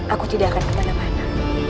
aku tidak akan kemana mana